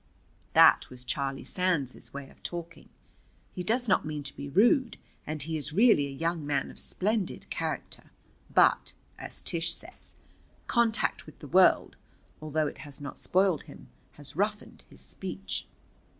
That was Charlie Sands's way of talking. He does not mean to be rude, and he is really a young man of splendid character. But, as Tish says, contact with the world, although it has not spoiled him, has roughened his speech.